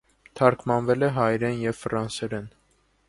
Թարգմանվել է հայերեն և ֆրանսերեն։